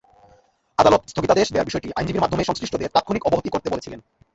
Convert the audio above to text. আদালত স্থগিতাদেশ দেওয়ার বিষয়টি আইনজীবীর মাধ্যমে সংশ্লিষ্টদের তাৎক্ষণিক অবহিত করতে বলেছিলেন।